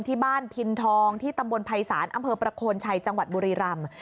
ที่บ้านพินทองที่ตำบลภัยศาลอำเภอประโคนชัยจังหวัดบุรีรำ